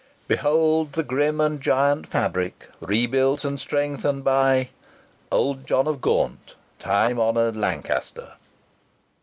Behold the grim and giant fabric, rebuilt and strengthened by "Old John of Gaunt, time honour'd Lancaster!"